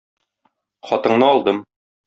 Хатыңны алдым.